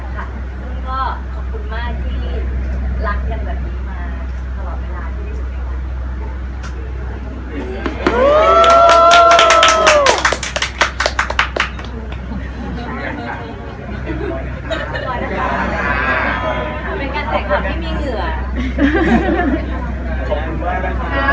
และก็ขอบคุณมากที่รักอย่างแบบนี้มาตลอดเวลาที่ได้สุดในวัน